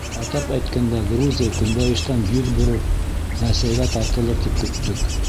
Атап әйткәндә, Грузия Көнбайыштан йөҙ бороп, Рәсәйгә тартылыр тип көттөк.